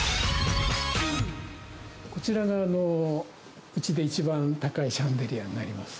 こちらがうちで一番高いシャンデリアになります。